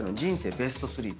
ベスト３。